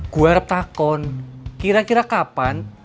gue harap kira kira kapan